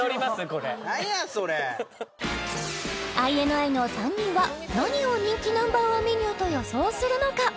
これ何やそれＩＮＩの３人は何を人気Ｎｏ．１メニューと予想するのか？